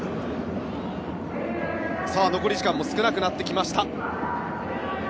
残り時間も少なくなってきました。